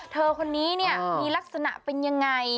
เธอคนนี้เนี่ยมีลักษณะเป็นยังไง